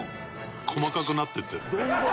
「細かくなっていってる」